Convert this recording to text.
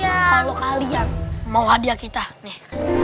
kalau kalian mau hadiah kita nih